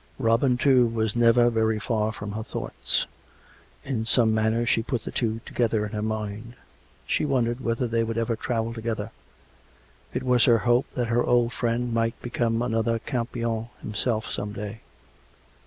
Robin, too, was never very far from her thoughts. In some manner she put the two together in her mind. She wondered whether they would ever travel together. It was COME RACK! COME ROPE! 183 her hope that her old friend might become another Campion himself some day.